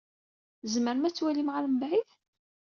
Tzemrem ad twalim ɣer mebɛid?